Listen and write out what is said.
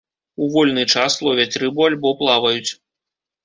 У вольны час ловяць рыбу альбо плаваюць.